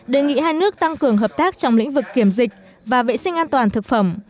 đề nghị hai nước tăng cường hợp tác trong lĩnh vực kiểm dịch và vệ sinh an toàn thực phẩm